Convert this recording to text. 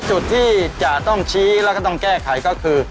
จุดที่จะต้องชี้แล้วก็ต้องแก้ไขก็คือ